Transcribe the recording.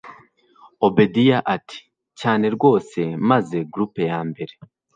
obedia ati cyane rwose maze group yambere